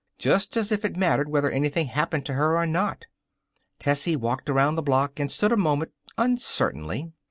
Just as if it mattered whether anything happened to her or not! Tessie walked around the block and stood a moment, uncertainly.